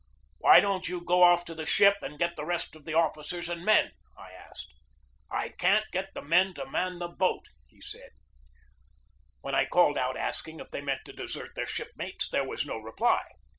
"Why don't you go off to the ship and get the rest of the officers and men?" I asked. "I can't get the men to man the boat!" he said. When I called out asking if they meant to desert their shipmates there was no reply.